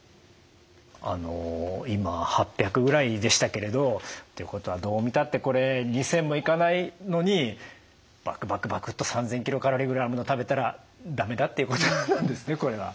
あの今８００ぐらいでしたけれどっていうことはどう見たってこれ２，０００もいかないのにバクバクバクッと３，０００ｋｃａｌぐらいのもの食べたらダメだっていうことなんですねこれは。